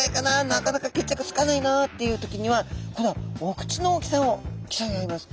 なかなか決着つかないなっていう時にはこのお口の大きさを競い合います。